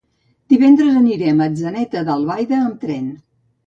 Divendres anirem a Atzeneta d'Albaida amb tren.